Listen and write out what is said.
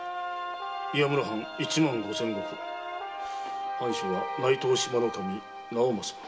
「岩村藩一万五千石藩主は内藤志摩守直正」。